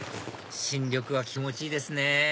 新緑が気持ちいいですね